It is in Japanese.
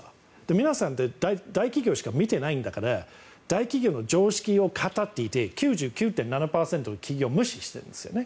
皆さんで大企業しか見てないんだから大企業の常識を語っていて９９．７％の企業を無視してるんですよね。